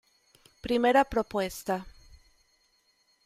Primera propuesta.